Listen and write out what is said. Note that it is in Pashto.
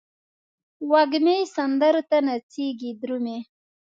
وږمې سندرو ته نڅیږې درومې